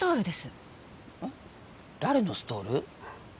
誰のストール？